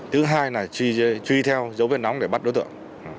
thứ hai là truy theo dấu viên nóng để bắt đối tượng